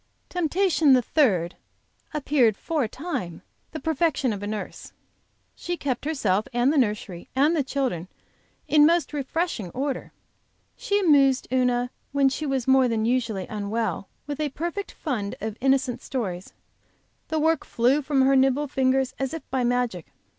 Temptation the third appeared, for a time, the perfection of a nurse. She kept herself and the nursery and the children in most refreshing order; she amused Una when she was more than usually unwell with a perfect fund of innocent stories; the work flew from her nimble fingers as if by magic.